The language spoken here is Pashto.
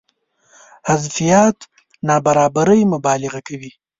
حذفيات نابرابرۍ مبالغه کوي.